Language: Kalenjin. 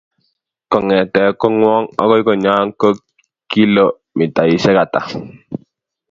Kong'te kong'wong' akoi konyon ko kilomitaisyek ata?